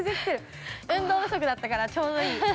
運動不足だったからちょうどいい。